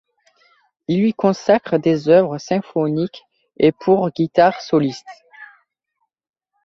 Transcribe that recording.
Ils lui consacrent des œuvres symphoniques et pour guitare soliste.